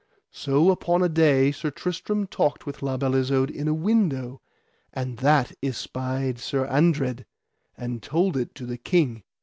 So upon a day Sir Tristram talked with La Beale Isoud in a window, and that espied Sir Andred, and told it to the King.